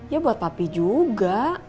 ya buat papi juga